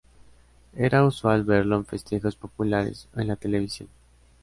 Era usual verlo en festejos populares o en la televisión.